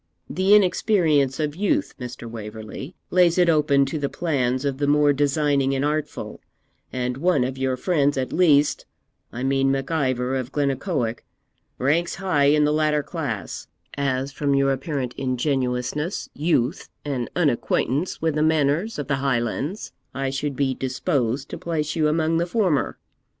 The inexperience of youth, Mr. Waverley, lays it open to the plans of the more designing and artful; and one of your friends at least I mean Mac Ivor of Glennaquoich ranks high in the latter class, as, from your apparent ingenuousness, youth, and unacquaintance with the manners of the Highlands, I should be disposed to place you among the former.